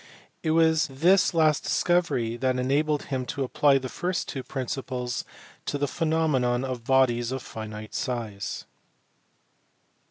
It was this last discovery that enabled him to apply the first two principles to the phenomena of bodies of finite size.